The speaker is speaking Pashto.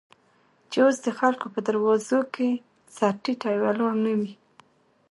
چې اوس دخلکو په دروازو، کې سر تيټى ولاړ نه وې.